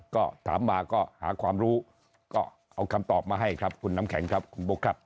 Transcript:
ก็ถามมาก็หาความรู้ก็เอาคำตอบมาให้ครับคุณน้ำแข็งครับคุณบุ๊คครับ